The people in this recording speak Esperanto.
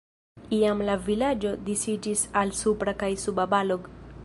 Iam la vilaĝo disiĝis al Supra kaj Suba Balog.